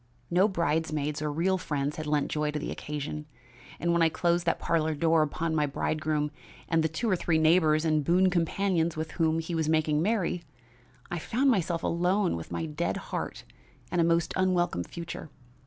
No bridesmaids or real friends had lent joy to the occasion; and when I closed that parlor door upon my bridegroom and the two or three neighbors and boon companions with whom he was making merry, I found myself alone with my dead heart and a most unwelcome future.